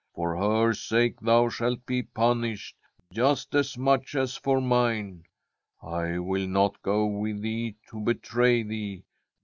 For her sake thou shalt be punished, just as much as for mine. I will not go with thee to betray thee.